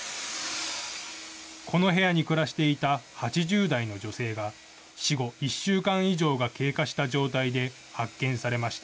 この部屋に暮らしていた８０代の女性が、死後１週間以上が経過した状態で発見されました。